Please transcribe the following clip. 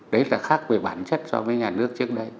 đấy là khác về bản chất so với nhà nước trước đây